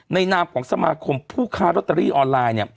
นามของสมาคมผู้ค้ารอตเตอรี่ออนไลน์